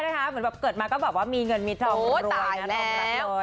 เหมือนแบบเกิดมาก็บอกว่ามีเงินมีทองรวยทองรักเลยโอ้ตายแล้ว